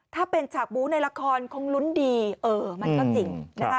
ถ้าเป็นฉากบู้ในละครคงลุ้นดีเออมันก็จริงนะคะ